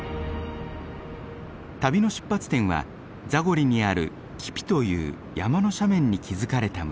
旅の出発点はザゴリにあるキピという山の斜面に築かれた村。